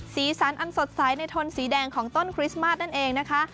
สีสันอันสดใสในทนสีแดงของต้นคริสต์มาสนั่นเองนะคะ